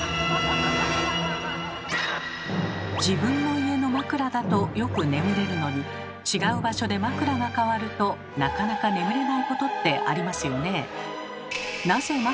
自分の家の枕だとよく眠れるのに違う場所で枕がかわるとなかなか眠れないことってありますよね。